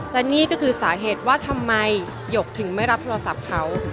และนี่ก็คือสาเหตุว่าทำไมหยกถึงไม่รับโทรศัพท์เขา